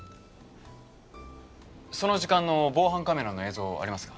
その時間の防犯カメラの映像ありますか？